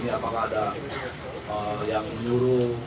apakah ada yang menyuruh